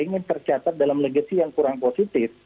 ingin tercatat dalam legacy yang kurang positif